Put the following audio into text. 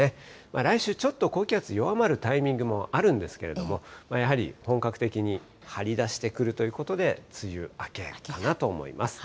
来週、ちょっと高気圧、弱まるタイミングもあるんですけれども、やはり本格的に張り出してくるということで、梅雨明けかなと思います。